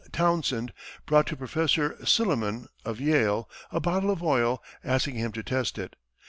Townsend brought to Professor Silliman, of Yale, a bottle of oil, asking him to test it.